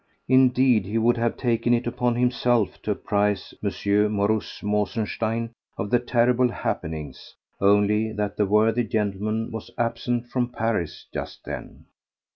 Indeed he would have taken it upon himself to apprise M. Mauruss Mosenstein of the terrible happenings, only that the worthy gentleman was absent from Paris just then.